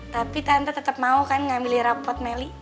tapi tante tetap mau kan ngambil rapot melly